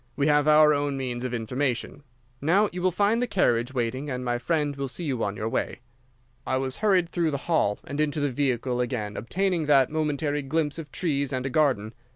'We have our own means of information. Now you will find the carriage waiting, and my friend will see you on your way.' "I was hurried through the hall and into the vehicle, again obtaining that momentary glimpse of trees and a garden.